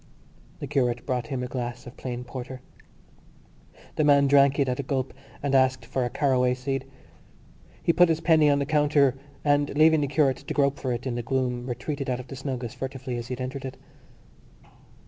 The curate brought him a glass of plain porter. The man drank it at a gulp and asked for a caraway seed. He put his penny on the counter and, leaving the curate to grope for it in the gloom, retreated out of the snug as furtively as he had entered it.